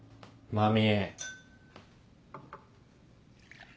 麻美！